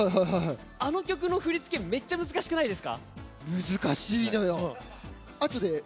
あの曲の振り付け難しいのよ。